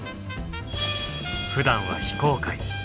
ふだんは非公開。